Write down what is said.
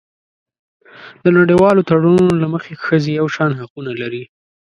د نړیوالو تړونونو له مخې ښځې یو شان حقونه لري.